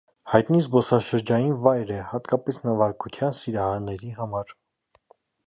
Հայտնի զբոսաշրջային վայր է, հատկապես նավարկության սիրահարների համար։